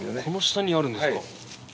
この下にあるんですか？